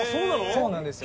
そうなんですよ。